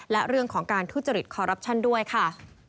และเรื่องของการทุจริตคอรัปชั่นด้วยค่ะ